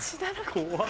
怖い！